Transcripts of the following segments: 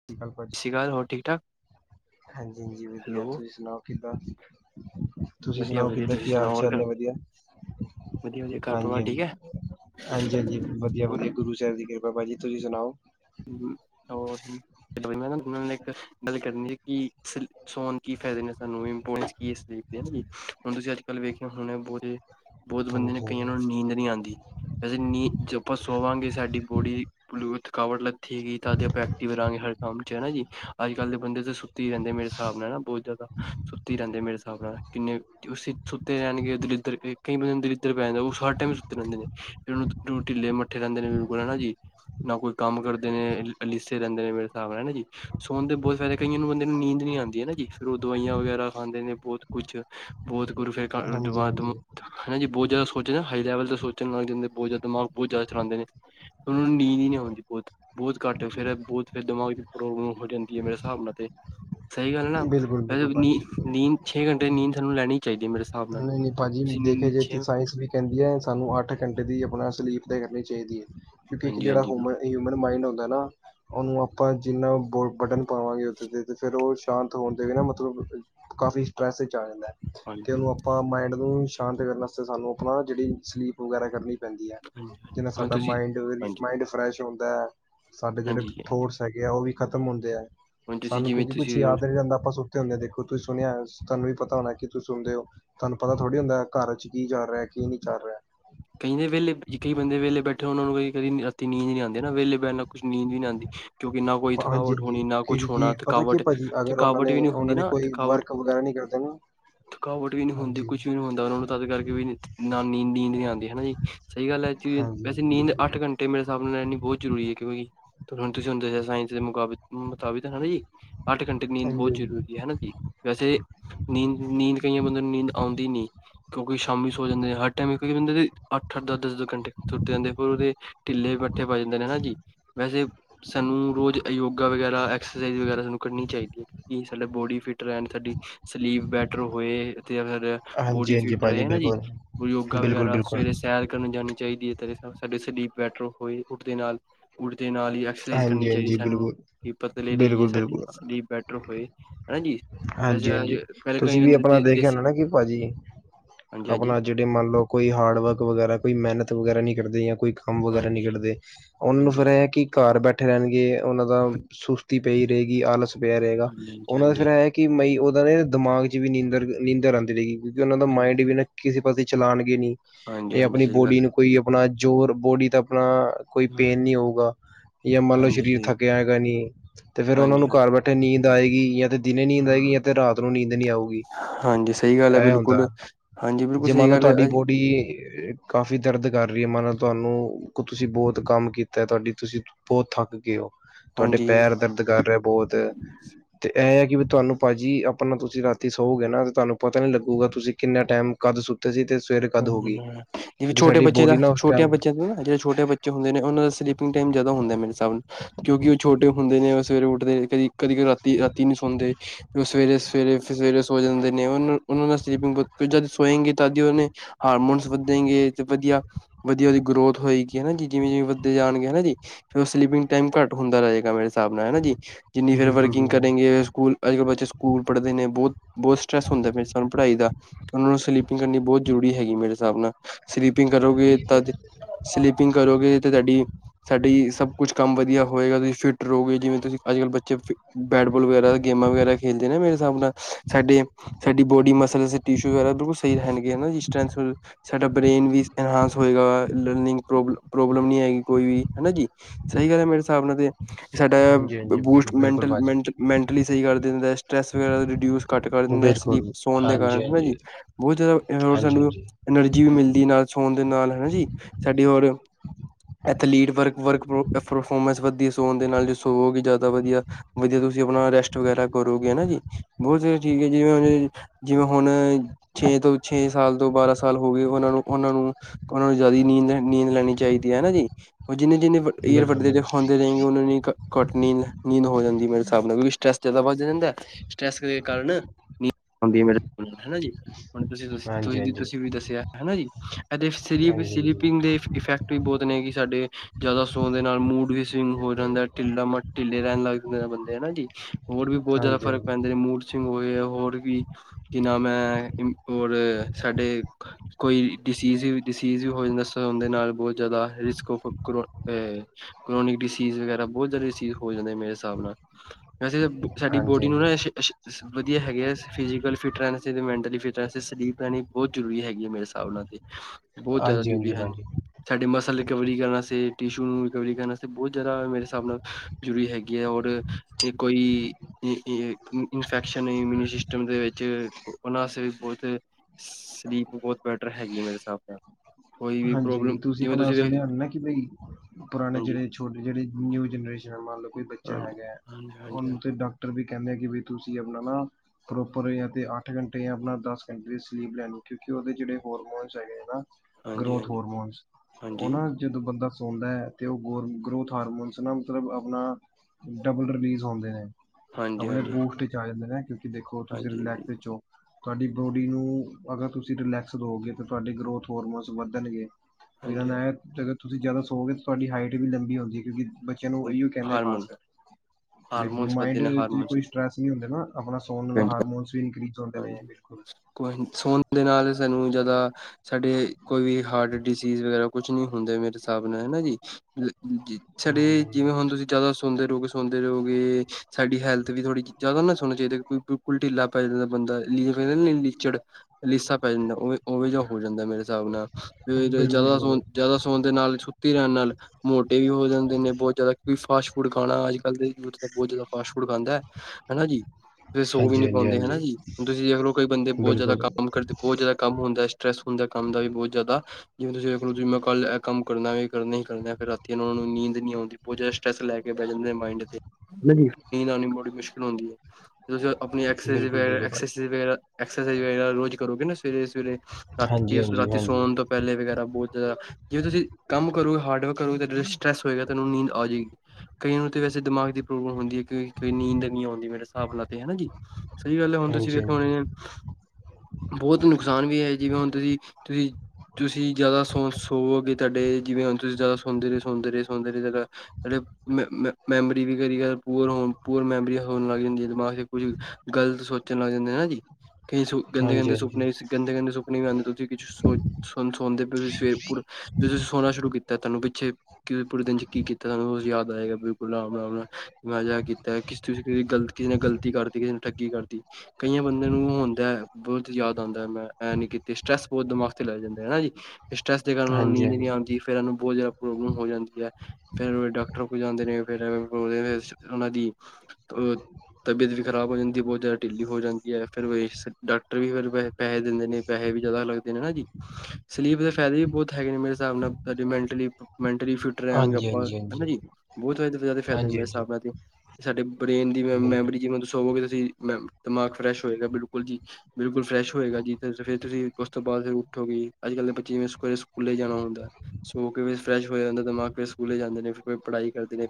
ਸਤਿ ਸ੍ਰੀ ਅਕਾਲ ਭਾਜੀ, ਸ਼੍ਰੀ ਅਕਾਲ ਹੋਰ ਠੀਕ ਠਾਕ ਹਾਂਜੀ-ਹਾਂਜੀ, ਵਧੀਆ ਹੈਲੋ ਤੁਸੀਂ ਸੁਣਾਓ? ਕਿਦਾ, ਤੁਸੀਂ ਵਧੀਆ ਸੁਣਾਓ ਵਧੀਆ ਕਿੱਦਾਂ ਕੀ ਹਾਲ-ਚਾਲ ਨੇ? ਵਧੀਆ। ਵਧੀਆ-ਵਧੀਆ, ਘਰ ਪਰਿਵਾਰ ਠੀਕ ਹਾਂਜੀ-ਹਾਂਜੀ, ਹੈ। ਹਾਂਜੀ-ਹਾਂਜੀ, ਹੋਰ ਵਧੀਆ-ਵਧੀਆ, ਗੁਰੂ ਸਾਹਿਬ ਦੀ ਕਿਰਪਾ ਭਾਜੀੀ ਤੁਸੀਂ ਸੁਣਾਓ? ਹੋਰ ਮੈਂ ਨਾ ਤੁਹਾਡੇ ਨਾਲ ਇੱਕ ਗੱਲ ਕਰਨੀ ਸੀ। ਸੋਨ ਕੀ ਫਾਇਦੇ ਨੇ ਸਾਨੂੰ ਇਮਪੋਰਟੈਂਟ ਕੀ ਸਲੀਪ ਦੇ ਹਨ ਹੁਣ ਤੁਸੀਂ ਅੱਜ-ਕੱਲ੍ਹ ਵੇਖਿਆ ਹੋਣਾ ਬਹੁ ਬਹੁਤ ਬੰਦੇ ਨੇ ਕਈਆਂ ਹਾਂਜੀ-ਹਾਂਜੀ, ਨੂੰ ਨੀਂਦ ਨੀ ਆਉਂਦੀ ਵੈਸੇ ਨੀ ਜੇ ਆਪਾਂ ਸੋਵਾਂਗੇ ਸਾਡੀ ਬਡੀ ਥਕਾਵਟ ਲੱਥੇਗੀਈ ਤਾਂਦੇ- ਐਕਟਿਵ ਰਹਾਂਗੇ ਹਰ ਕੰਮ ਚ ਹੈਨਾ ਜੀ ਅੱਜ-ਕੱਲ ਦੇ ਬੰਦੇ ਤਾਂ ਸੁੱਤੇ ਹੀ ਰਹਿੰਦੇ ਮੇਰੇ ਹਿਸਾਬ ਨਾਲ ਹਨ ਬਹੁਤ ਜ਼ਿਆਦਾ ਸੁੱਤੀ ਰਹਿੰਦੇ ਮੇਰੇ ਹਿਸਾਬ ਨਾਲ ਕਿੰਨੇ ਸੁੱਤੇ ਰਹਿਣਗੇ ਦਲਿੱਧਰ ਕਈ ਬੰਦੇ ਨੂੰ ਦਲਿੱਧ ਪੈ ਜਾਂਦਾ ਉਹ ਹਰ ਟਾਈਮ ਸੁੱਤੇ ਰਹਿੰਦੇ ਨੇ ਫ ਉਹਨੂੰ ਢਿੱਲੇ-ਮੱਠੇ ਰਹਿੰਦੇ ਨੇ ਬਿਲਕੁਲ ਹੈਨਾ ਜੀ, ਨਾ ਕੋਈ ਕੰਮ ਕਰਦ ਦੇ ਨੇ ਲਿਸੇ ਰਹਿਨ ਦੇ ਨੇ ਮੇਰੇ ਹਿਸਾਬ ਨਾਲ ਹੈਨਾ ਜੀ। ਸੋਣ ਦੇ ਬਹੁਤ ਫਾਇਦੇ, ਕਈਆਂ ਨੂੰ ਬੰਦੇ ਨੂੰ ਨੀਦ ਨ ਨਹੀਂ ਆਉਂਦੀ ਹੈ ਮਨਾ ਜੀ ਫਿਰਰ ਉਹ ਦਵਾਈਆਂ ਵਗੈਰਾ ਖਾਂਦੇ ਨੇ ਬਹੁਤ ਕੁਛ ਬਹੁਤ ਗੁਰੂ ਫੇਿਰ ਤੋਂ ਬਾਅਦ ਹਾਂਜੀ-ਹਾਂਜੀ, ਹੈਨਾ ਜੀ ਬਹੁਤ ਜ਼ਿਆਦਾ ਸੋਚਣ, ਹਾਈ ਲੈਵਲ ਤੇ ਸੋਚਣ ਲਗ ਜਾਂਦੇ, ਬਹੁਤ ਜ਼ਿਆਦਾ ਦਿਮਾਗ ਬਹੁਤ ਜ਼ਿਆਦਾ ਚਲਾਉਂਦੇ ਨੇ। ਉਹਨਾ ਨੂੰ ਨੀਂਦ ਹੀ ਨਹੀਂ ਆਉਂਦੀ ਬਹੁਤ ਬਹੁਤ ਘੱਟ ਫਿਰ ਬਹੁਤ ਫਿਰ ਦਿਮਾਗ ਚ ਪ੍ਰੋਬਲਮ ਹੋ ਜਾਂਦੀ ਹੈ ਮੇਰੇ ਹਿਸਾਬ ਨਾਲ ਤੇ। ਸਹੀ ਗੱਲ ਹੈਨਾ, ਵੈਸੇ ਬਿਲਕੁਲ-ਬਿਲਕੁਲ ਭਾਜੀ ਨੀਂ ਨੀਂਦ ਛੇ ਘੰਟੇ ਦੀ ਨੀਂਦ ਸਾਨੂੰ ਲੈਣੀ ਚਾਹੀਦੀ ਹੈ ਮੇਰੇ ਹਿਸਾਬ ਨਾਲ ਨਹੀਂ-ਨਹੀਂ, ਭਾਅਜੀ ਤੁਸੀਂ ਦੇਖੇ ਨੀਂਦ ਛੇ ਜਾਏ ਸਾਇੰਸ ਵੀ ਕਹਿੰਦੀ ਹੈ ਸਾਨੂੰ ਅੱਠ ਘੰਟੇ ਦੀ ਆਪਣਾ ਸਲੀਪ ਤਾਂ ਕਰਨੀ ਚਾਹੀਦੀ ਹੈ ਕਿਉਂਕਿ ਇੱਕ ਹਾਂਜੀ ਜਿਹੜਾ ਹਾਂਜੀ ਹਾਂਜੀ ਹੁਮਰ ਹਿਊਮਨ ਮਾਈੰਡ ਹੁੰਦਾ ਨਾ ਉਹਨੂੰ ਆਪਾਂ ਜਿੰਨਾ ਬ ਬਟਨ ਪਾਵਾਂਗੇ ਉਥ ਤੇ ਫਿਰ ਉਹ ਸ਼ਾਂਤ ਹੋਣ ਦੇ ਵੀ ਨਾ ਮਤਲਬ ਕਾਫੀ ਸਟਰੈਸ ਵਿੱਚ ਆ ਜਾਂਦਾ ਤੇ ਹਾਂਜੀ ਉਹਨੂੰ ਆਪਾਂ ਮਾਇੰਡ ਨੂੰ ਸ਼ਾਂਤ ਕਰਨ ਵਾਤੇ ਸਾਨੂੰ ਆਪਣਾ ਜਿਹੜੀ ਸਲੀਪ ਵਗੈਰਾ ਕਰਨੀ ਪੈਂਦੀ ਹੈ ਹਾਂਜੀ ਜਿਨਾ ਹਾਂ ਸਾਡਾ ਤੁਸੀਂ ਹਾਂਜੀ ਮਾਇੰਡ-ਮਾਇੰਡ ਫਰੈਸ਼ ਹੁੰਦਾ ਹੈ ਸਾਡੇ ਜਿਹੜੇ ਹਾਂਜੀ ਥੋਟਸ ਹੈਗੇ ਆ ਉਹ ਵੀ ਖਤਮ ਹੁੰਦੇ ਹੈ ਹੁਣ ਤੁਸੀਂ ਸਾਨੂੰ ਜਿਵੇਂ ਕਿਉਂਕਿ ਕੁੱਛ ਤੁਸੀਂ ਯਾਦ ਨਹੀਂ ਰਹਦਾ ਆਪਾਂ ਸੁੱ ਹੁੰਦੇ ਦੇਖੋ ਤੁਸੀਂ ਸੁਣਿਆ ਤੁਹਾਨੂੰ ਵੀ ਪਤਾ ਹੋਣਾ ਕਿ ਤੁਸੀਂ ਸੁਣਦੇ ਹੋ। ਤੁਹਾਨੂੰ ਪਤਾ ਥੋੜ੍ਹੀ ਹੁੰਦਾ ਹੈ ਘਰ ਚ ਕੀ ਚੱਲ ਰਿਹਾ ਕੀ ਨ ਨਹੀਂ ਚੱਲ ਰਿਹਾ। ਕਈਦੇ ਵੇਲੇ ਕਈ ਬੰਦੇ ਵੇਲੇ ਬੈਠੇ ਉਹਨਾਂ ਨੂੰ ਕਈ ਕਦੀ ਰਾਤੀ ਨੀਦ ਨੀ ਆਂਦੀ ਨਾ ਵੇਲੇ ਬੈਠਣ ਨਾਲ ਕੁ ਨੀਂਦ ਵੀ ਨੀ ਆਂਦੀ। ਕਿਉਂਕਿ ਨਾ ਕੋਈ ਹਾਂਜੀ ਥਕਾਵਟ ਹਾਂਜੀ ਹੋਣੀ ਨਾ ਕੁਛ ਕਿਉਂਕਿ ਹੋਣਾ ਪਤਾ ਕੀ ਥਕਾਵਟ ਭਾਜੀ ਅਗਰ ਉਹਨਾਂ ਥਕਾਵਟ ਨੇ ਵੀ ਨਹੀਂੀ ਹੁੰਦੀ ਉਹਨਾਂ ਨੇ ਨਾ ਕੋਈ ਥਕਾਵਟ। ਵਰਕ ਵਗੈਰਾ ਨਹੀਂ ਕਰਦੇ। ਥਕਾਵਟ ਵੀ ਨੀ ਹੁੰਦੀ ਹਾਂਜੀ ਕੁਛ ਵੀ ਨੀ ਹੁੰਦਾ ਉਹਨਾਂ ਨੂੰ ਤਦ ਕਰਕੇ ਵੀ ਨਾਲ਼ ਨੀਂਦ ਆਉਂਦੀ। ਹਾਂਜੀ ਸਹੀ ਗੱਲ ਹੈ, ਹਾਂਜੀ ਵੈਸੇ ਹਾਂਜੀ ਨੀਂਦ ਬਿਲਕੁਲ ਅੱਠ ਘੰਟੇ ਮੇਰੇ ਹਿਸਾਬ ਨਾਲ ਲੈਣੀ ਬਹੁਤ ਜ਼ਰੂਰੀ ਹੈ, ਕਿਉਂਕਿ। ਤੇ ਹੁਣ ਤੁਸੀਂ ਚਾਂਦੇ ਸਾਇੰਸ ਦੇ ਮੁਕਾਬਲੇ ਮੁਤਾਬਿਕ ਹੁਣ, ਅੱਠ ਘੰਟੇ ਦੀ ਨੀਂਦ ਹਾਂਜੀ ਬਹੁਤ ਹਾਂਜੀ ਜ਼ਰੂਰੀ ਹੈ, ਹਨਾ ਜੀ। ਵੈਸੇ। ਨੀਂਦ ਨੀਂਦ ਕਈਆਂ ਬੇਂਦਿਆਂ ਨੂੰ ਨੀਂਦ ਆਉਂਦੀ ਨਹੀਂ, ਕਿਉਂਕਿ ਸ਼ਾਮੀ ਸੋ ਜਾਂਦੇ ਨੇ, ਹਰ ਟਾਈਮ ਕਿਉਕਿ ਬੰਦੇ ਦੇ। ਅੱਠ ਅੱਠ ਦੋ ਦਸ ਦੱਸ ਘੰਟੇ ਤੁਰੱਟ ਜਾਂਦੇ ਫਿਰ ਉਹਦੇ ਢਿੱਲੇ ਵੀ ਬੈਠੇ ਪੈ ਜਾਂਦੇ ਨੇ ਹਨਾ ਜੀ। ਵੈਸੇ ਸਾਨੂੰ ਰੋਜ਼। ਯੋਗਾ ਵਗੈਰਾ ਐਕਸਰਸਾਈਜ਼ ਵਗੈਰਾ ਸਾਨੂੰ ਕਰਨੀ ਚਾਹੀਦੀ ਹੈ ਕਿਉਂਕਿ ਸਾਡਾ ਬੋਡੀ ਫਿੱਟ ਰਹਿਣ ਸਾਡੀ। ਸਲੀਪ ਬੈਟਰ ਹੋਏ ਤੇ ਫਿਰ ਹਾਂਜੀ ਬੋਡੀ ਹਾਂਜੀ ਫਿਟ ਭਾਜੀ ਰਹੇ ਹਨਾ ਜੀ ਬਿਲਕੁਲ ਯੋਗਾ ਬਿਲਕੁਲ ਵਗੈਰਾ। ਬਿਲਕੁਲ ਸਵੇਰੇ ਸੈਰ ਕਰਨ ਜਾਣੀ ਚਾਹੀਦੀ ਹੈ, ਤਾਂ ਸਾਡੇ ਸਰੀਪ ਬੈਟਰ ਹੋਏ ਉੱਠਦੇ ਨਾਲ। ਉਠਦੇ ਨਾਲ ਹੀ ਐਕਸਰਸਾਈਜ਼ ਕਰਨੀ ਹਾਂਜੀ ਚਾਹੀਦੀ ਹਾਂਜੀ ਸਾਨੂੰ ਬਿਲਕੁਲ ਕਿ, ਪਤਲੇ ਰਹੇਈਏ ਬਿਲਕੁਲ ਸਾਡੀ ਬਿਲਕੁਲ ਸਰੀਰ ਬੈਟਰ ਹੋਏ। ਹਨਾ ਜੀ ਹਾਂਜੀ ਵੈਸੇ ਅੱਜ ਹਾਂਜੀ ਪਹਿਲੇ ਕਈ ਤੁਸੀਂ ਵੀ ਆਪਣਾ ਬੰਦੇ ਦੇਖਿਆਣਾ ਦੇਸੀ ਨਾ, ਕਿ ਭਾਜੀ ਹਾਂਜੀ ਆਪਣਾ ਜਿਮ। ਮੰਨ ਲਓ ਕੋਈ ਹਾਰਡ ਵਰਕ ਵਗੈਰਾ ਕੋਈ, ਮਿਹਨਤ ਵਗੈਰਾ ਨੀ ਕਰਦੇ ਜਾਂ ਕੋਈ। ਕੰਮ ਵਗੈਰਾ ਨਿ ਹਾਂਜੀ ਕਰਦੇ ਉਹਨਾਂ ਨੂੰ ਹਾਂਜੀ ਹਾਂਜੀ ਫੇਿਰ ਇਹ ਕਿ, ਘਰ ਬੈਠੇ ਰਹਿਣਗੇ ਉਹਨਾਂ ਦਾ ਸੁਸਤੀ। ਤੀ ਪਈ ਰਹੇਗੀ, ਆਲਸ ਪਿਆ ਰਹੇਗਾ, ਹਾਂਜੀ ਉਹਨਾਂ ਦਾ ਫਿਰ ਹਾਂਜੀ ਇਹ। ਕਿ ਬਾਈ ਉਹਨਾ ਦੇ ਨਾ ਦਿਮਾਗ ਚ ਵੀ ਨੀਂਦਰ ਨੀਂਦਰ, ਆਉਂਦੀ ਰਹੇ ਗੀ, ਕਿਉਂਕਿ ਉਹਨਾ ਦਾ ਹਾਂਜੀ ਮਾਇੰਡ ਵੀ ਨਾ। ਕਿਸੇ ਪਾਸੇ ਚਲਾਾਨਗੇ ਨੀ, ਹਾਂਜੀ ਹਾਂਜੀ ਇਹ ਹਾਂਜੀ ਆਪਣੀ ਸਹੀ ਬੋਡੀ ਗੱਲ ਨੂੰ ਕੋਈ ਆਪਣਾ ਜ਼ੋਰ ਬੋਡੀ ਦਾ ਆਪਣਾ। ਕੋਈ ਪੇਨ ਹੈ। ਨੀ ਹੋਊਗਾ ਜਾਂ ਮੰਨ ਲਓ ਹਾਂਜੀ ਸਰੀਰ ਸਹੀ ਥੱਕਿਆ ਹੈਗਾ, ਨੀ ਤੇ ਫੇਿਰ ਉਹਨਾ ਹਾਂਜੀ ਨੂੰ ਹਾਂਜੀ ਘਰ ਬੈਠੇ। ਨੀਂਦ ਆਏਗੀ ਜਾਂ ਤੇ ਦਿਨੇ ਨੀਂਦ ਆਏਗੀ ਜਾਂ ਤੇ ਰਾਤ ਨੂੰ ਨੀਂਦ ਨਹੀਂ ਆਊਗੀ। ਹਾਂਜੀ ਸਹੀ ਗੱਲ ਹੈ ਇਹ ਬਿਲਕੁਲ ਹੁੰਦਾ, ਹਾਂਜੀ ਬਿਲਕੁਲ ਜੇ ਸਹੀ ਮੰਨ ਲਓ ਗੱਲ ਤੁਹਾਡੀ ਹੈ ਬੋਡੀ। ਕਾਫ਼ੀ ਦਰਦ ਕਰ ਰਹੀ ਹੈ ਮਨ ਲੋ, ਤੁਹਾਨੂੰ ਤੁਸੀਂ ਬਹੁਤ ਕੰਮ ਕੀਤਾ ਤੁਹਾਡੀ ਤੁਸੀਂ। ਬਹੁਤ ਥੱਕ ਗਏ ਹੋ ਉਹ ਤੁਹਾਡੇ ਹਾਂਜੀ ਪੈਰ ਦਰਦ ਕਰ ਰਿਹਾ ਬਹੁਤ ਤੇ ਇਹ ਆ ਕਿ। ਤੁਹਾਨੂੰ ਭਾਅ ਜੀ ਆਪਣਾ ਤੁਸੀਂ ਰਾਤੀ ਸਹੋਗੇ ਨਾ ਅਤੇ ਤੁਹਾਨੂੰ ਪਤਾ ਨਹੀਂ ਲੱਗੇਗਾ, ਤੁਸੀਂ ਕਿੰਨਾ ਟਾਈਮ। ਕਦ ਸੁੱਤੇ ਸੀ ਤੇ ਸਵੇਰੇ। ਕਦ ਹੋ ਗਈ ਹਮ ਜਿਵੇਂ ਕਿਉਂਕਿ ਛੋਟੇ ਸਾਡੀ ਬੱਚੇ ਦਾ, ਬੋਡੀ ਨਾ ਉਸ ਛੋਟੀਆਂ ਟਾਈਮ ਬੱਚਿਆਂ ਦਾ, ਜਿਹੜੇ ਛੋਟੇ ਬੇ। ਹੁੰਦੇ ਨੇ ਉਹਨਾਂ ਦਾ ਸਲੀਪਿੰਗ ਟਾਈਮ ਜਿਆਦਾ ਹੁੰਦਾ ਹੈ, ਮੇਰੇ ਹਿਸਾਬ ਨੂੰ ਕਿਉਂਕਿ ਉਹ ਛੋਟੇ ਹੁੰਦੇ ਨੇ, ਉਹ ਸਵੇਰੇ ਉੱਠਦੇ ਕਦੀ। ਕਦੀ ਕਦੇ ਰਾਤੀ ਰਾਤੀ ਨਹੀਂ ਸੌਂਦੇ ਉਹ ਸਵੇਰੇ ਸਵੇਰੇ। ਸਵੇਰੇ ਸੋ ਜਾਂਦੇ ਨੇ ਉਹ ਉਹਨਾਂ ਨਾਲ ਸਲੀਪਿੰਗ ਜਦ ਸੋਏਗੀ ਤਦੀ ਉਹਨੇ। ਹਾਰਮੋਨਸ ਵਧਣ ਗ ਤੇ ਵਧੀਆ। ਵਧੀਆ ਉਹਦੀ ਗਰੋਥ ਹੋਏਗੀਾ ਜੀ ਜਿਵੇਂ ਜਿਵੇਂ ਵੱਦੇ ਜਾਣਗੇ ਹਨਾ ਜੀ ਫਿਰ ਸਿਿੰਗ। ਟਾਈਮ ਘੱਟ ਹੁੰਦਾ ਰਹੇਗਾ ਮੇਰੇ ਹਿਸਾਬ ਨਾਲ ਹਨਾ, ਜੀ ਜਿੰਨੀ ਫੇਰ ਬਿਲਕੁਲ ਵਰਕਿੰਗ ਬਿਲਕੁਲ ਕਰੇਗੇ ਸਕੂਲ। ਅੱਜ ਕੱਲ ਬੱਚੇ ਸਕੂਲ ਪੜ੍ਹਦੇ ਨੇ ਬਹੁਤ ਬਹੁਤ ਸਟਰੈੱਸਸੁੰਦਾਿਰ ਸਾਨੂੰ ਪੜ੍ਹਾਈ ਦਾ ਸ ਸਲੀਪਿੰਗ ਕਰਨੀ ਬਹੁਤ। ਜੁੜੀ ਹੈਗੀ ਮੇਰੇ ਹਿਸਾਬ ਨਾਲ ਸਲੀਪਿੰਗ ਕਰੋਗੇ ਤਾਂ ਸਲੀਪਿੰਗ ਕਰੋਗੇ ਤੇ ਤੁਹਾਡੀ। ਸਾਡੀ ਸਭ ਕੁਛ ਕੰਮ ਵਧੀਆ ਹੋਏਗਾ ਤੁਸੀਂ ਫਿਟ ਰਹੋਗੇ ਜਿਵੇਂ ਤੁਸੀਂ ਅੱਜ ਕੱਲ੍ਹ ਬੱਚੇ। ਬੈਟਬੋਲ ਵਗੈਰਾ ਗੇਮਾਂ ਵਗੈਰਾ ਖੇਡਦੇ ਨੇ ਮੇਰੇ ਹਿਸਾਬ ਨਾਲ ਸਾਡੇ। ਸਾਡੀ ਬੋਡੀ ਮਸਲ ਟਿਸ਼ੂ ਵਗੈਰਾ ਬਿਲਕੁਲ ਸਹੀ ਰਹਿਣਗੇ ਜੀ ਸੈਂ। ਸਾਡਾ ਬ੍ਰੇਨ ਵੀ ਇਹਾਂਸ। ਹੋਏਗਾ ਲਰਨਿੰਗੋਬ ਪ੍ਰੋਬਲਮ ਨੀ ਹੈਗੀ ਕੋਈ ਵੀ ਹਨਾ ਜੀ ਸਹੀ ਗੱਲ ਹੈ, ਮੇਰੇ ਹਿਸਾਬ ਨਾਲ ਤੇ। ਸਾਡਾ ਹਾਂਜੀ ਹਾਂਜੀ ਬਿਲਕੁਲ ਬੂਸਟ ਬਿਲਕੁਲ ਭਾਜੀ ਮੈਟਲੀ ਸਹੀ ਕਰਦੇ ਸਟਟਰੈੱਸ ਵਗੈਰਾ ਰਿਡਿਊਜ ਕਰ। ਘੱਟ ਕਰ ਦਿੰਦਾ ਸਲੀਪ ਬਿਲਕੁਲ ਸੋਣ ਦੇ ਹਾਂਜੀ ਕਾਰਨ ਹਨਾ ਹਾਂਜੀ ਜੀ ਬਹੁਤ ਜ਼ਿਆਦਾ। ਹਾਂਜੀ ਸਾਨੂੰ ਹਾਂਜੀ ਐਨਰਜੀ ਵੀ ਮਿਲਦੀ ਨਾਲ ਸੌਣ ਦੇ ਨਾਲ ਹਨਾ ਜੀ ਸਾਡੇ ਰ। ਐਥਲੀਟ ਵਰਕ ਵਰਕੋ ਪਰਫੋਰਮੈਂਸ ਵਧੀਆ ਸੋਣ ਦੇ ਨਾਲ ਜ ਸੋ ਹੋ ਗ ਜ਼ਿਆਦਾ ਵਧੀਆ। ਵਧੀਆ ਤੁਸੀਂ ਆਪਣਾ ਰੈਸਟ ਵਗੈਰਾ ਕਰੋਗੇ ਹਨਾ ਜੀ। ਬਹੁਤ ਸਾਰੇ ਠੀਕ ਹੈ ਜਿਵੇਂ ਹੁ ਜਿਵੇਂ ਹੁਣ ਛੇ ਤੋਂ ਛੇ। ਸਾਲ ਤੋਂ ਬਾਰਾਂ ਸਾਲ ਹੋ ਗਏ ਉਹਨਾਂ ਨੂੰ ਉਹ ਨੂੰ ਉਹਨਾਂ ਨੂੰ ਜ਼ਿਆਦਾ ਨੀਂਦ ਨੀਂਦ ਲੈਣੀ ਚਾਹੀਦੀ ਹੈ ਹਨਾ ਜੀ। ਉਹ ਜਿੰਨੇ ਜਿੰਨੇ ਏਰ ਵੱਡ ਬਿਲਕੁਲ ਬਿਲਕੁਲ ਖਉਂਦੇ ਰਹੇਗੇ ਉਹਨਾਂ। ਕੱਟ ਨੀਂਦ ਹੋ ਜਾਂਦੀ ਮੇਰੇ ਹਿਸਾਬ ਨਾਲ ਕਿਉਕਿ ਸਟਰੈਸ੍ਟ। ਜਿਆਦਾ ਵੱਧ ਜਾਂਦਾ ਸਟਰ੍ਰੈਸ ਕਾਰਨ ਨੀ ਆਉਂਦੀ ਮੇਰੇ ਹਨਾ ਜੀ ਹੁਣ ਤੁਸੀਂ। ਹਾਂਜੀ ਹਾਂਜੀ ਤੁਸੀਂ ਵੀ ਦੱਸਿਆ ਹਨਾ ਜੀ ਅਤੇ ਸ ਹਾਂਜੀ ਹਾਂਜੀ ਹਾਂਜੀ ਸਲੀਪਿੰਗ ਦੇ ਇਫੈਕਟ ਵੀ ਬਹੁਤ ਨੇ ਕਿ ਸਾਡੇ ਜ਼ਿਆਦਾ ਸੋਣ ਦੇ ਨਾਲ ਮੂਡ ਵੀ ਸਵਿੰਗ ਹੋ ਜਾਂਦਾ ਹੈ ਢਿੱਲਾ ਮ ਢਿੱਲੇ ਰਹਿਣ ਲੱਗਦੇ ਨੇ ਬੰਦੇ ਹਨਾ ਜੀ ਹੋਰ ਵੀ ਬਹੁਤ ਜ਼ਿਆਦਾ ਹਾਂਜੀ ਫਰਕ ਪੈਂਦੇ ਨੇ ਮੂਡ ਹੋ ਹੋਰ ਵੀ ਜਿਨਾ ਮੈਂ ਹੋਰ ਸਾਡੇ ਕੋਈ ਡਿਸੀਜ਼-ਡਿਸੀਜ਼ ਵੀ ਹੋ ਜਾਂਦਾ ਤਾਂ ਉਹਦੇ ਨਾਲ ਬਹੁਤ ਜ਼ਿਆਦਾ ਰਿਸਕਫ ਕਰੋ ਅ ਕਰੋਨਿਕ ਡਿਸੀਜ਼ ਵਗੈਰਾ ਬਹੁਤ ਜ਼ਿਆਦਾ ਡਿਸੀਜ਼ ਹੋ ਜਾਂਦੇ ਮੇਰੇ ਹਿਸਾਬ ਨਾਲ ਵੈਸੇ ਤਾਂ ਸਾਡੀ ਬੋਡੀ ਨੂੰ ਹਾਂਜੀ ਨਾ ਐਸੇ-ਐਸ ਵਧੀਆ ਹੈਗੇ ਆ ਫਿਜੀਕਲ ਫਿਟ ਰਹਿਨੇ ਚਾਹੀਦੇ ਮੈਂਟਲੀ ਫਿਟ ਰਹਿਨ ਸਲੀਪ ਰਹਿਣੀ ਬਹੁਤ ਜ਼ਰੂਰੀ ਹੈਗੀ ਆ ਮੇਰੇ ਹਿਸਾਬ ਨਾਲ ਤੇ ਬਹੁਤ ਜ਼ਿਆਦਾ ਹਾਂਜੀ ਜ਼ਰੂਰੀ ਹਾਂਜੀ ਹਨ। ਭਾਜੀ ਸਾਡੇ ਮਸਲ ਰਿਕਵਰੀ ਕਰਨ ਅਸਤੇ ਟਿਸ਼ੂ ਨੂੰ ਰਿਕਵਰੀ ਕਰਨ ਅਸਤੇ ਬਹੁਤ ਜ਼ਿਆਦਾ ਮੇਰੇ ਹਿਸਾਬ ਨਾਲ ਜ਼ਰੂਰੀ ਹੈਗੀ ਹੈ ਔਰ ਤੇ ਕੋਈ ਇਨਫੈਕਸ਼ਨ ਇਮਿਊਨੀ ਸਿਸਟਮ ਦੇ ਵਿੱਚ ਉਹਨਾ ਅਸਤੇ ਵੀ ਬਹੁਤ ਸਲੀਪ ਬਹੁਤ ਬੈਟਰ ਹੈਗੀ ਮੇਰੇ ਹਿਸਾਬ ਨਾਲ ਕੋਈ ਵੀ ਹਾਂਜੀ-ਹਾਂਜੀ ਪ੍ਰੋਬਲਮ ਤੁਸੀਂ ਜਿਵੇਂ ਆਪਣਾ ਵੇਖ ਸੁਣਿਆ ਨਾ ਕਿ ਬਈ ਪੁਰਾਣੇ ਹਾਂਜੀ ਜਿਹੜੇ ਛੋਟੇ ਜਿਹੜੇ ਨਿਊ ਜਨਰੇਸ਼ਨ ਮੰਨ ਲਓ ਕੋਈ ਬੱਚਾ ਹਾਂਜੀ ਹੈਗਾ ਹੈ ਹਾਂਜੀ ਹਾਂਜੀ ਉਹਨੂੰ ਤੇ ਡਾ ਵੀ ਕਹਿੰਦੇ ਕਿ ਵੀ ਤੁਸੀਂ ਆਪਣਾ ਨਾ ਪ੍ਰੋਪਰ ਅੱਠ ਘੰਟੇ ਆਪਣਾ ਦਸ ਘੰਟੇ ਸਲੀਪ ਲੈਣੀ ਕਿਉਂਕਿ ਉਹਦੇ ਜਿਹੜੇ ਹੋਰਮੋਨ ਹੈਗੇ ਨਾ। ਹਾਂਜੀ ਹਾਂਜੀ ਗਰੋਥ ਹਾਂਜੀ ਹੋਰਮੋਨਸ ਹਾਂਜੀ ਉਹ ਨਾ ਜਦੋਂ ਬੰਦਾ ਸੋਂਦਾ ਹੈ ਤਾਂ ਉਹ ਗਰੋਥ ਹਾਰਮੋਨਸ ਨਾ ਮਤਲਬ ਆਪਣਾ ਡਬਲ ਰਿਲੀਜ਼ ਹੁੰਦੇ ਨੇ ਹਾਂਜੀ ਆਪਣੇ ਹਾਂਜੀ ਬੂਸਟ ਵਿੱਚ ਆ ਜਾਂਦੇ ਨੇ ਕਿਉਂਕਿ ਦੇਖੋ ਤੁਸੀਂ ਹਾਂਜੀ ਰਿਲੈਕਸ ਵਿੱਚ ਹੋ। ਤੁਹਾਡੀ ਬੋਡੀ ਨੂੰ ਅਗਰ ਤੁਸੀਂ ਰਿਲੈਕਸ ਦੋਗੇ ਤਾਂ ਤੁਹਾਡੀ ਗਰੋਥ ਹੋਰਮੋਨਸ ਵੱਧਣਗੇ। ਜਿਹਦਾ ਹਾਂਜੀ ਨਾਲ ਅਗਰ ਤੁਸੀਂ ਜ਼ਿਆਦਾ ਸੋਵੋਗੇ ਤਾਂ ਤੁਹਾਡੀ ਹਾਈਟ ਵੀ ਲੰਬੀ ਹੁੰਦੀ ਹੈ ਕਿਉਂਕਿ ਬੱਚਿਆਂ ਨੂੰ ਇਓ ਕਹਿੰਦੇ ਖਾਸ ਹਾਰਮੋਨ ਕਰ ਕਿ ਹਾਰਮੋਨਸ ਵੱਧਦੇ ਮਾਇੰਡ ਨੇ ਵਿਚ ਹਾਰਮੋਨਸ ਕੋਈ ਰੇਸ਼ਮੀਨ ਹੁੰਦੇ ਨਾ, ਆਪਣਾ ਸੌਣ ਨਾਲ ਹਾਰਮੋਨ ਇਰੀ, ਹਾਂਜੀ, ਸੋਣ ਦੇ ਨਾਲ ਸਾਨੂੰ ਜਿਆਦਾ ਸਾਡੇ ਕੋਈ ਵੀ ਹਾਰਟ ਡਿਸੀਜ਼ ਵਗੈਰਾ, ਕੁੱਛ ਨੀ ਹੁੰਦੇ ਮੇਰੇ ਹਿਸਾਬ ਨਾਲ ਹਨਾ ਜੀ। ਸਾਡੇ ਹਾਂਜੀ। ਜਿਵੇਂ ਹੁਣ ਤੁਸੀਂ, ਜ਼ਿਆਦਾ ਸੋਂਦੇ ਰੋਗੇ-ਸੋਂਦੇ ਰੋਗੇ ਸਾਡੀ ਹੈਲਥ ਵੀ ਥੋੜ੍ਹੀ ਜ਼ਿਆਦਾ ਨਾ ਸੋਣਾ ਚਾਹੀਦਾ ਬਿ ਬਿਲਕੁਲ ਢਿੱਲਾ ਪੈ ਜਾਂਦਾ। ਬੰਦਾ ਲੀ ਕਹਿੰਦਾ ਲੀਚੜ ਲੀਸਾ ਪੈ ਜਾਂਦਾ ਉਹ ਉਹਵੇ ਜਿਹਾ ਹੋ ਜਾਂਦਾ ਮੇਰੇ ਹਿਸਾਬ ਨਾਲ ਫੇਰ ਬਿਲਕੁਲ ਜ਼ਿਆਦਾ- ਬਿਲਕੁਲ ਜ਼ਿਆਦਾ ਸੌਣ ਦੇ ਨਾਲ ਸੁੱਤੀ ਰਹਿਣ ਨਾਲ ਮੋਟੇ ਵੀ ਹੋ ਜਾਂਦੇ ਨੇ, ਬਹੁਤ ਜ਼ਿਆਦਾ ਫਾਸਟ -ਫੂਡ ਖਾਣਾ ਅਜ- ਕੱਲ ਦੇ ਯੂਥ ਬਹੁਤ ਜ਼ਿਆ ਫਾਸਟ ਫੂਡ ਖਾਂਦਾ ਹੈ। ਹਨਾ ਜੀ ਫਿਰ ਸੌ ਵੀ ਹਾਂਜੀ ਨੀ ਹਾਂਜੀ ਪਾਂਦੇ ਹਾਂਜੀ ਹਨਾ ਜੀ। ਹ ਤੁਸੀਂ ਦੇਖ ਲੋ ਕੋਈ ਬੰਦੇ ਬਹੁਤ ਜ਼ਿਆਦਾ ਬਿਲਕੁਲ ਬਿਲਕੁਲ ਕੰਮ ਕਰਦੇ, ਬਹੁਤ ਜ਼ਿਆਦਾ ਕੰਮ ਹੁੰਦਾ ਸਟਰ੍ਰੈਸ ਹੁੰਦਾ ਕੰਮ ਦਾ ਵੀ, ਬਹੁਤ ਜ਼ਿਆਦਾ ਜਿਵੇਂ ਤੁਸੀ ਵੇਖ ਲੋ ਜਿਵੇਂ ਕੱਲ ਇਹ ਕੰਮ ਕਰਨਾ ਵੀ ਕਰਨਾ ਹੀ ਕਰਨਾ ਫਿਰ ਰਾਤੀ ਨੂੰ ਉਹ ਨੂੰ ਨੀਂਦ ਨੀ ਆਉਂਦੀ ਬਹੁਤ ਜ਼ਿਆਦਾ ਸਟਰੈਸ ਲੈ ਕੇ ਬੈ ਜਾਂਦੇ ਮਾਇੰਡ ਤੇ ਤੇ ਨਹੀਂ ਨੀਂਦ ਆਉਣੀ ਬੜੀ ਮੁਸ਼ਕਿਲ ਹੁੰਦੀ ਤੁਸੀਂ ਆਪਣੀ ਐਕਰਸ ਬਿਲਕੁਲ ਗੈ ਬਿਲਕੁਲ ਭਾਜੀ ਜਿਵੇ ਐਕਸਰਸਾਈਜ਼ ਵਗੈਰਾ ਰੋਜ਼ ਕਰੋਗੇ ਨਾ ਸਵੇਰੇ -ਸਵੇਰੇ ਹਾਂਜੀ ਹਾਂਜੀ ਰਾਤੀ ਹਾਂਜੀ ਸੋਣ ਤੋਂ ਪਹਿਲੇ ਵਗੈਰਾ ਬਹੁਤ ਜ਼ਿਆਦਾ ਜਿਵੇਂ ਤੁਸੀਂ ਕੰਮ ਕਰੋਗੇ ਹਾਰਡਵਰਕ ਕਰੋਗੇ ਤਾਂ ਸਟਰੈਸ ਹੋਏਗਾ ਤੁਹਾਨੂੰ ਨੀਂਦ ਆ ਜਾਏਗੀ। ਕਈ ਨੂੰ ਤੇ ਵਸੇ ਦਿਮਾਗ ਦੀ ਪ੍ਰੋਬਲਮ ਹੁੰਦੀ ਹੈ ਕਿ, ਕਈਆ ਨੂੰ ਨੀਦ ਨਹੀਂ ਆਉਂਦੀ, ਮੇਰੇ ਹਿਸਾਬ ਨਾਲ ਤੇ ਹਨਾ ਜੀ ਸਹੀ ਗੱਲ ਹੈ, ਹੁਣ ਤੁਸੀਂ ਹਾਂਜੀ ਹਾਂਜੀ ਵੇਖੋ ਹੁਣੇ ਬਹੁਤ ਨੁਕਸਾਨ ਵੀ ਹੈ ਜਿਵੇਂ ਹੁਣ ਤੁਹੀ- ਤੁਹੀ ਤੁਸੀਂ ਜ਼ਿਆਦਾ ਸੋ ਸੋਵੋਂਗੇ ਤੁਹਾਡੇ ਜਿਵੇਂ ਹੁਣ ਤੁਸੀਂ ਜ਼ਿਆਦਾ ਸੁਣਦੇ ਰਹੇ-ਸੁਣਦੇ ਰਹੇ-ਸੁਣਦੇ ਰਹੇ। ਸਾੇ ਮ ਮੈਮਰੀ ਵੀ ਕਰੀ ਪ ਪੳਅਰ ਮੈਮਰੀ ਹੋਣ ਲੱਗ ਜਾਂਦੀ ਹੈ ਦਿਮਾਗ 'ਚ ਕੁਝ ਗਲਤ ਸੋਚਣ ਲੱਗ ਜਾਂਦੇ ਨਾ ਜੀ ਕਈ ਗੰਦੇ-ਗੰਦੇ ਹਾਂਜੀ ਸੁਪਨੇ ਗੰਦੇ, ਗੰਦੇ ਸੁਪਨੇ ਵੀ, ਆਉਂਦੇ ਤੁਸੀਂ ਛ ਸੋਚ ਸੌਣਦੇ ਪਏ ਤੁਸੀਂ ਸਵੇਰ ਪ ਜ ਤੁਸੀਂ ਸੋਣਾ ਸ਼ੁਰੂ ਕੀਤਾ ਤੁਹਾਨੂੰ ਪਿੱਛੇ ਕਿਂ ਪੂਰੇ ਦਿਨ 'ਚ ਕੀ ਕੀਤਾ ਸਾਨੂੰ ਯਾਦ ਆਏਗਾ ਬਿਲਕੁਲ ਆਰਾਮ-ਆਰਾਮ ਨਾਲ ਮੈਂ ਅੱਜ ਇਹ ਕੀਤਾ ਕਿਸ ਤੁਸੀਂ ਗਲਤ ਕਿਸੇ ਨੇ ਗਲਤੀ ਕਰਤੀ, ਕਿਸੇ ਨੇ ਠੱਗੀ ਕਰਤੀ। ਕਈਆਬੰਦਿਆਂ ਨੂੰ ਹੁੰਦਾ, ਬਹੁਤ ਯਾਦ ਆਉਂਦਾ ਹੈ ਮੈਂ ਐਂ ਨੀ ਕੀਤੀ, ਸਟਰ੍ਰੈਸ ਬਹੁਤ ਦਿਮਾਗ ਤੇ ਲੱਗ, ਜਾਂਦਾ ਹਨਾ ਜੀ, ਸਟਰ੍ਰੈਸ ਦੇ ਕਾਰਨ ਉਹ ਨੂੰ ਹਾਂਜੀ ਹਾਂਜੀ ਨੀਂਦ ਨਹੀਂ ਹਾਂਜੀ ਆਂਦੀ ਫਿਰ ਇਹਨੂੰ ਬਹੁਤ ਜ਼ਿਆਦਾ ਪ੍ਰੋਬਲਮ ਹੋ ਜਾਂਦੀ ਹੈ। ਫਿਰ ਡਾਕਟਰ ਕੋਲ ਜਾਂਦੇ ਨੇ, ਫਿਰ ਉਹਨਾਂ ਦੀ ਤਬੀਅਤ ਵੀ ਖਰਾਬ ਹੋ ਜਾਂਦੀ ਬਹੁਤ ਜ਼ਿਆਦਾ। ਡਿੱਲੀ ਹੋ ਜਾਂਦੀ ਹੈ, ਫਿਰ ਡਾਕਟਰ ਵੀ ਫ ਪੈਸੇ ਦਿੰਦੇ ਨੇ, ਪੈਸੇ ਵੀ ਜਿਆਦਾ ਲਗਦੇ ਨੇ ਹਨ ਜੀ। ਸਲੀਪ ਦੇ, ਫਾਇਦੇ ਵੀ ਬਹੁਤ ਹੈਗੇ ਨੇ, ਮੇਰੇ ਹਿਸਾਬ ਨਾਲ ਤੁਹਾਡੇ ਮੈਂਟਲੀ ਮੈਂਟਲੀ ਫਿਟ ਰਹਣਗੇ ਆਪਾਂ ਹਾਂਜੀ ਹਨਾ ਹਾਂਜੀ ਜੀ ਬਹੁਤ ਜਿਆਦਾ ਫਾਇਦਾ ਨੇ ਹਾਂਜੀ ਮੇਰੇ ਹਾਂਜੀ ਹਿਸਾਬ ਨਾਲ ਤੇ ਸਾਡੇ ਬ੍ਰੇਨ ਦੀ ਮ ਬਿਲਕੁਲ ਮੈਮਰੀ ਜਿਵੇਂ ਦ ਸੋਵੋਗੇ ਤੁਸੀਂ ਮੈ ਦਿਮਾਗ ਫਰੈਸ਼ ਹੋਏਗਾ ਬਿਲਕੁਲ ਜੀ। ਬਿਲਕੁਲ ਫਰੈਸ਼ ਹੋਏਗਾ ਜੀ ਫਿਰ ਤੁਸੀਂ ਉਸ ਤੋਂ ਬਾਅਦ ਫਿਰ ਉਠੋਗੇ ਅੱਜ ਕੱਲ੍ਹ ਦੇ ਬੱਚੇ ਜਿਵੇਂ ਸਕੂਲੇ ਜਾਣਾ ਹੁੰਦਾ। ਸੋ ਕੇ ਫਰੈਸ਼ ਹੋਇਆ ਜਾਂਦਾ ਦਿਮਾਗ, ਫਿਰ ਸਕੂਲੇ ਜਾਂਦੇ ਨੇ, ਫਿਰ ਪੜ੍ਹਾਈ ਕਰਦੇ ਨੇ,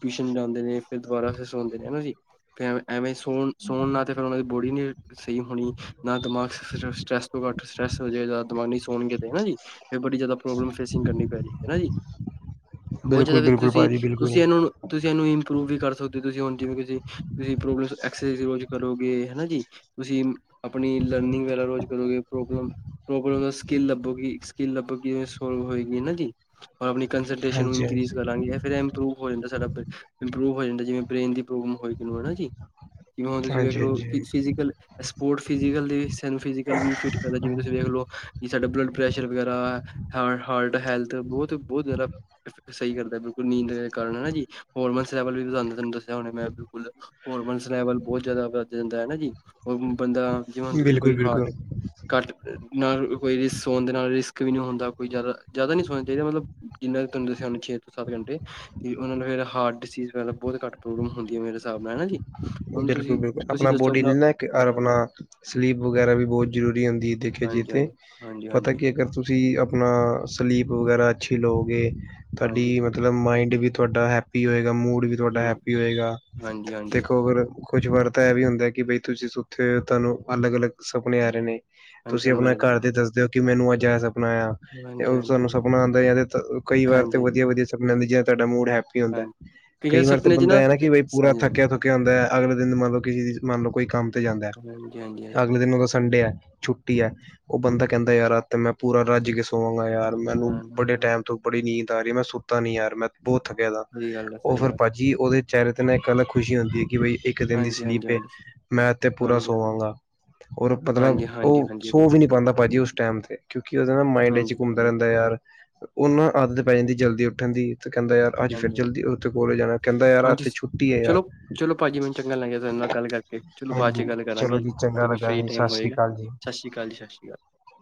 ਟਿਊਸ਼ਨ ਜਾਂਦੇ ਨੇ ਫਿਰ ਦੁਬਾਰਾ, ਫਿਰ ਸੌਂਦੇ ਨੇ ਹਨਾ ਜੀ, ਫਿਰਂ ਐਵੇਂ ਸੋਣ -ਸੌਣ ਨਾ ਤੇ ਫਿਰ ਉਹਨਾਂ ਦੀ ਬੋੜੀ ਨ ਸਹੀ ਹੋਣੀ ਨਾ ਦਿਮਾਗ ਸਟਰੈਸ ਤੋਂ ਘੱਟ ਸਟਰੈੱਸ ਜਾਏਗਾ ਦਿਮਾਗ ਨਹੀਂ ਸੋਣਗੇ ਤੇ ਹਨਾ ਜੀ। ਫਿਰ ਬੜੀ ਜਿਆਦਾ ਪ੍ਰੋਬਲਮ ਫੇਸਿੰਗ ਕਰਨੀ ਪੈ ਰਹੀ ਹਨਾ ਜੀ। ਬਹੁਤ ਬਿਲਕੁਲ ਜ਼ਿਆਦਾ ਬਿਲਕੁਲ ਭਾਜੀ ਬਿਲਕੁਲ ਤੁਸੀਂ-ਤੁਸੀਂ ਇਹਨੂੰ ਤੁਸੀਂ ਇਹਨੂੰ ਇੰਪਰੂਵ ਵੀ ਕਰ ਸਕਦੇ ਹੋ, ਤੁਸੀਂ ਹੁਣ ਜਿਵੇਂ ਪ੍ਰੋਬਲਮ ਐਕਸਸ ਦੇ ਅਕਾਰਡਿੰਗ ਕਰੋਗੇ ਹਨਾ ਜੀ ਤੁਸੀਂ ਆਪਣੀ ਲਰਨਿੰਗ ਵਾਲੇ ਰੋਜ਼ ਕਰੋਗੇ ਪ੍ਰੋਬਲਮ ਜੋਬ ਸਕਿੱਲ ਲੱਭੋਗੀ-ਸਕਿੱਲ ਲੱਭੋਗੀ ਸੋਲਵ ਹੋਏਗੀ ਹਨਾ ਜੀ ਔਰ ਆਪਣੀ ਕੰਸਲਟੇਸ਼ਨ ਨੂੰ ਹਾਂਜੀ ਇਨਕਰੀਜ਼ ਹਾਂਜੀ ਕਰਾਂਗੇ ਜਾਂ ਫਿਰ ਐਮ ਇੂ ਹੋ ਜਾਂਦਾ ਸਾਡਾ ਇੰਪਰੂਵ ਹੋ ਜਾਂਦਾ ਜਿਵੇਂ ਬ੍ਰੇਨ ਦੀ ਪ੍ਰੋਬਮ ਹੋ ਕਿਨੂੰ ਹਨਾ ਜੀ। ਹਾਂਜੀ-ਹਾਂਜੀ ਫਿਜ਼ਕਲ, ਸਪੋਰਟ ਫਿਜੀਕਲ ਦੀ ਸਾਨੂੰ ਫਿਜੀਕਲ ਵੀ ਫਿੱਟ ਕਰਦਾ ਜਿਵੇਂ ਤੁਸੀਂ ਵੇਖ ਲਓ ਸਾਡਾ ਬਲੱਡ ਪ੍ਰੈਸ਼ਰ ਵਗੈਰਾ ਹ ਹਾਰਟ ਹੈਲਥ ਬਹੁਤ ਬਹੁਤ ਜ਼ਿਆਦਾ ਸਹੀਕਹਿਦੇ, ਬਿਲਕੁਲ ਨੀਂਦ ਦੇ ਕਾਰਨ ਹਨਾ ਜੀ, ਹੋਰਮਨ ਲੈਵਲ ਵੀ ਵਦਾਉਂਦਾ ਨੂੰ ਦੱਸਿਆ, ਹੇ ਮੈਂ ਬਿਲਕੁਲ ਜੀ। ਹੋਰਮਨਸ ਲੈਵਲ ਬਹੁਤ ਜ਼ਿਆਦਾ ਵਧ ਜਾਂਦਾ ਹੈ ਹਨਾਂ ਜੀ, ਔਰ ਬੰਦਾ ਜਿਵੇਂ ਹੁਣ ਤੁਸੀਂ ਕੋਈ ਬਿਲਕੁਲ ਹਾਰਟ ਬਿਲਕੁਲ ਘੱਟ ਨਾਲ ਕੋਈ ਰ ਸੋਣ ਦੇ ਨਾਲ ਰਿਸਕ ਵੀ ਨਹੀਂ ਹੁੰਦਾ ਕੋਈ ਜ਼ਿਆਦਾ ਜ਼ਿਆਦਾ ਨਹੀਂ ਸੋਣਾ ਚਾਹੀਦਾ ਮਤਲਬ ਜਿੰਨਾ, ਤੁਹਾਨੂੰ ਦੱਸਿਆ ਤੋਂ ਸੱਤ ਘੰਟੇ, ਤੇ ਉਹ ਨੂੰ ਫੇਰ ਹਾਰਟ ਡਿਸੀਜ਼ ਬਹੁਤ ਘੱਟ ਪ੍ਰੋਬਲਮ ਹੁੰਦੀ ਹੈ ਮੇਰੇ ਹਿਸਾਬ ਨਾਲ ਹਨਾ ਜੀ। ਹੁਣ ਤੁਸੀਂ ਬਿਲਕੁਲ-ਬਿਲਕੁਲ। ਤੁਸੀਂ ਆਪਣਾ ਦੱਸੋ ਬੋਡੀ ਨਹੀਂ ਲੈ ਕੇਰ ਹਾਂ ਆਪਣਾ, ਸਲੀਪ ਵਗੈਰਾ ਵੀ ਬਹੁਤ ਜਰੂਰੀ ਹੁੰਦੀ ਹੈ ਦੇਖਿਆ ਜੇ ਤੇ। ਹਾਂਜੀ-ਹਾਂਜੀ। ਜੇਕਰ ਤੁਸੀਂ ਆਪਣਾ ਸਲੀਪ ਵਗੈਰਾ ਅੱਛੀ ਲਓਗੇ, ਤੁਹਾਡੀ ਹਾਂਜੀ ਮਤਲਬ ਥੋਰਾ ਮਾਇੰਡ ਵੀ ਤੁਹਾਡਾ ਹੈਪੀ ਹੋਏਗਾ ਮੂਡ ਵੀ ਤੁਹਾਡਾ ਹਮ ਹੈਪੀ ਹੋਏਗਾ। ਹਾਂਜੀ ਹਾਂਜੀ ਦੇਖੋ ਫਿਰ, ਕੁੁਝ ਵਰਤਾ ਇਹ ਵੀ ਹੁੰਦਾ ਹੈ ਕਿ ਬਈ ਤੁਸੀਂ ਸੁੱਥੇ ਹੋਏ ਹੋ ਤੁਹਾਨੂੰ ਅਲੱਗ-ਅਲੱਗ ਸੁਪਨੇ ਆ ਰਹੇ ਨੇ, ਹਾਂਜੀ ਤੁਸੀਂ ਹੁਣ ਮੈਂ ਆਪਣਾ ਹਾਂਜੀ ਘਰ ਦੇ ਦੱਸਦੇਓ ਕਿ ਮੈਨੂੰ ਐ ਸਪਨਾ ਆਇਆ। ਤੇ ਹਾਂਜੀ ਹਾਂਜੀ ਤੁਹਾਨੂੰ ਹਾਂਜੀ ਸਪਨਾ ਆਉਂਦਾ, ਜਾਂ ਕਈ ਵਾਰ ਤੇ ਹਾਂਜੀ ਵਧੀਆ- ਵਧੀਆ ਸਪਨੇ ਆਉਂਦੇ ਜਿਵੇ, ਤੁਹਾਡਾ ਮੂਡ ਹੈਪੀ ਹੁੰਦਾ ਹਾਂਜੀ ਕਈਆਂ ਕਈ ਵਾਰ ਤਾਂ, ਸੁਪਨੇ ਚ ਬੰਦਾ ਹੈ ਨਾ ਕਿ ਪੂਰਾ ਹਾਂਜੀ ਹਾਂਜੀ ਥੱਕਿਆ -ਥੁੱਕਿਆ ਹੁੰਦਾ। ਅਗਲੇ ਦਿਨ ਮੰਨ ਲਓ ਕਿਸੇ ਦੀ ਮੰਨ ਲਓ ਕੋਈ ਕੰਮ ਜਾਂਦਾ। ਹਾਂਜੀ ਅਗਲੇ ਦਿਨ ਉਹ ਸੰਡੇ ਹੈ, ਛੁੱਟੀ ਹੈ ਉਹ ਬੰਦਾ ਕਹਿੰਦਾ ਯਾਰ ਤੇ ਮੈਂ, ਪੂਰਾ ਰੱਜ ਗਿਆ ਸਾ ਸੌਵਾਂਗਾ ਯਾਰ ਮੈਨੂੰ ਵੱਡੇ ਹਾਂਜੀ ਟਾਈਮ ਤੋਂ ਬੜੀ ਨੀਂਦ ਆ ਰਹੀ ਹੈ ਮੈਂ ਸੁੱਤਾ ਨੀ ਯਾਰ ਮੈਂ ਬਹੁਤ ਥੱਕਿਆ ਦਾ। ਸਹੀ ਗੱਲ ਆ ਉਹ ਸਹੀ ਫਿਰ, ਗੱਲ ਭੱਜੀ ਉਹਦੇ ਚਿਹਰੇ ਤੇ ਨਾਲ ਇੱਕ ਅਲੱਗ, ਖੁਸ਼ੀ ਹੁੰਦੀ ਕਿ ਇੱਕ ਦਿਨ ਦੀ ਹਾਂਜੀ ਹਾਂਜੀ ਸਲੀਪ, ਹਾਂਜੀ ਮੈਂ ਤੇ ਪੂਰਾ ਹਾਂਜੀ ਹਾਂਜੀ ਸੋਵਾਂਗਾ। ਔਰ ਮਤਲਬ ਹਾਂਜੀ ਹਾਂਜੀ ਉਹ ਹਾਂਜੀ ਸੋਫ, ਨ ਪਾਉਂਦਾ ਭਾਜੀ ਉਸ ਟਾਈਮ ਤੇ, ਕਿਉਂਕਿ, ਉਹਦੇ ਨਾ ਮਾਇੰਡ ਚ ਹਾਂਜੀ ਘੁੰਮਦਾ ਹਾਂਜੀ ਰਹਿੰਦਾ ਯਾਰ ਉਹ ਨਾ ਆਦਤ ਪੈ ਜਾਂਦੀ ਜਲਦੀ ਉੱਠਣ ਦੀ ਤੇ ਕਹਿੰਦਾ ਯਾਰ ਅੱਜ ਫਿਰ ਹਾਂਜੀ ਜਲਦੀ ਉੱਥੇ ਕੋਲੇਜ ਜਾਣਾ ਕਹਿੰਦਾ ਯਾਰ ਅੱਜ ਤੇ ਛੁੱਟੀ ਹੈ ਯਾਰ। ਜੀ ਮੈਨੂੰ ਚੰਗਾ ਲੱਗਿਆ ਨਾਲ ਗੱਲ ਕਰਕੇ ਚਲੋ ਬਾਅਦ ਚ ਹਾਂਜੀ ਗੱਲ ਚਲੋ ਕਰਾਂਗੇ, ਜੀ ਚੰਗਾ ਜਦੋਂ ਲੱਗਾ ਫਰੀ ਜੀ ਟਾਈਮ ਸਤਿ ਸ੍ਰੀ ਹੋਏਗਾ ਅਕਾਲ ਜੀ ਸਤਿ ਸ਼ੀ ਅਕਾਲ। ਸਤ ਸ਼੍ਰੀ ਅਕਾਲ।